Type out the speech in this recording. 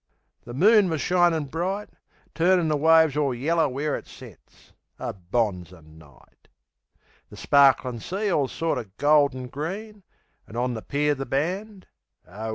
The moon was shinin' bright, Turnin' the waves all yeller where it set A bonzer night! The sparklin' sea all sorter gold an' green; An' on the pier the band O, 'Ell!... Doreen! V.